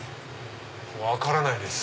分からないです。